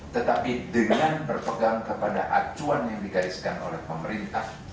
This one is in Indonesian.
tetapi dengan berpegang kepada acuan yang digariskan oleh pemerintah